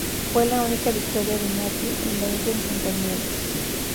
Fue la única victoria de Mathieu en veinte enfrentamientos.